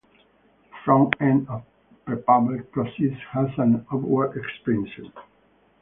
The front end of the prepubic process has an upward expansion.